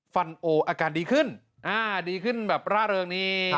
ฟันโออาการดีขึ้นดีขึ้นแบบร่าเริงนี่